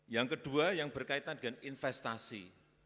yang kedua yang berkaitan dengan investasi